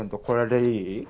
これでいい？